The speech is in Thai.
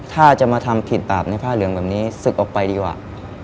ถ้าจะมาทำผิดบาปในผ้าเหลืองแบบนี้ศึกออกไปดีกว่า